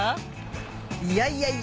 いやいやいやいや。